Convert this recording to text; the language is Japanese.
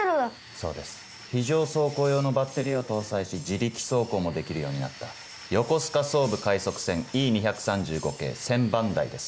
そうです非常走行用のバッテリーを搭載し自力走行もできるようになった横須賀・総武快速線Ｅ２３５系１０００番台です。